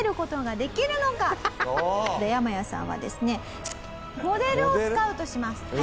ヤマヤさんはですねモデルをスカウトします。